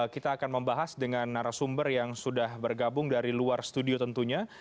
kita akan membahas dengan narasumber yang sudah bergabung dari luar studio tentunya